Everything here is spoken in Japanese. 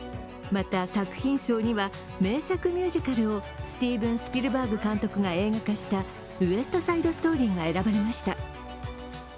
また、作品賞には名作ミュージカルをスティーブン・スピルバーグ監督が映画化した「ウエスト・サイド・ストーリー」が選ばれました。